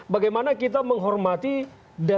bagaimana kita menghormati dan